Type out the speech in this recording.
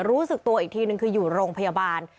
รู้สึกตัวอีกทีนึงคืออยู่โรงพยาบาล